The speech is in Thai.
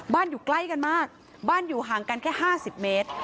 อยู่ใกล้กันมากบ้านอยู่ห่างกันแค่๕๐เมตร